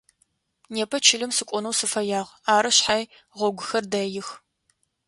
Непэ чылэм сыкӏонэу сыфэягъ, ары шъхьай гъогухэр дэих.